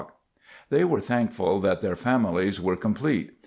] They were thankful that their families were complete.